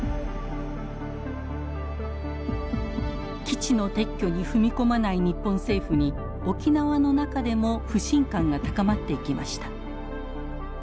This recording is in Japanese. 基地の撤去に踏み込まない日本政府に沖縄の中でも不信感が高まっていきました。